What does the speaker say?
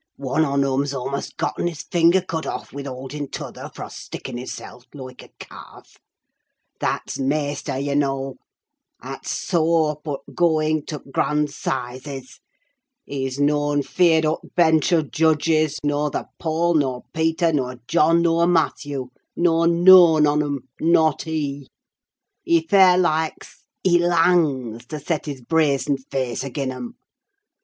One on 'em 's a'most getten his finger cut off wi' hauding t' other fro' stickin' hisseln loike a cawlf. That's maister, yah knaw, 'at 's soa up o' going tuh t' grand 'sizes. He's noan feared o' t' bench o' judges, norther Paul, nur Peter, nur John, nur Matthew, nor noan on 'em, not he! He fair likes—he langs to set his brazened face agean 'em!